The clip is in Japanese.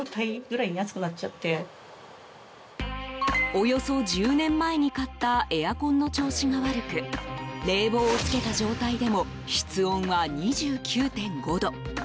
およそ１０年前に買ったエアコンの調子が悪く冷房をつけた状態でも室温は２９．５度。